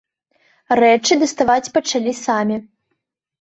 Рэчы даставаць пачалі самі.